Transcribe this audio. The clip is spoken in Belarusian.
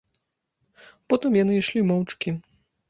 Потым яны ішлі моўчкі.